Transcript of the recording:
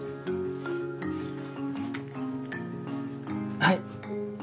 はい。